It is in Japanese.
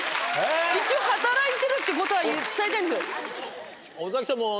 一応働いてるってことは伝えたいんですよ。